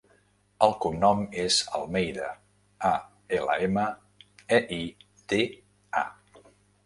El cognom és Almeida: a, ela, ema, e, i, de, a.